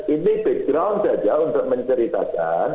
ini background saja untuk menceritakan